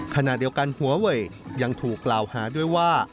ขณะเดียวกันหัวเวย์ยังถูกกล่าวหาด้วยว่า